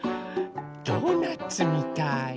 ドーナツみたい。